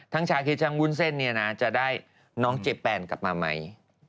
ทั้งชาเคชังวุ่นเส้นเนี่ยนะจะได้น้องเจแปนกลับมาไหม